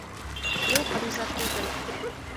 Юҡ, риза түгел.